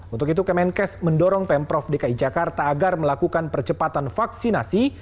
untuk itu kemenkes mendorong pemprov dki jakarta agar melakukan percepatan vaksinasi